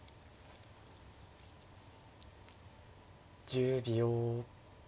１０秒。